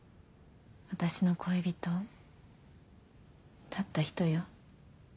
私の恋人だった人よ。